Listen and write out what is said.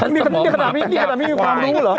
นี่ขนาดไม่มีความรู้เหรอ